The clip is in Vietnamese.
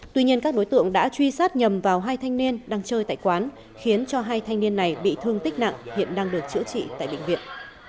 tuy nhiên các đối tượng đã truy sát nhầm vào hai thanh niên đang chơi tại quán khiến cho hai thanh niên này bị thương tích nặng hiện đang được chữa trị tại bệnh viện